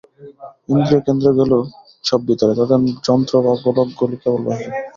ইন্দ্রিয়কেন্দ্রগুলি সব ভিতরে, তাদের যন্ত্র বা গোলকগুলি কেবল বাইরে।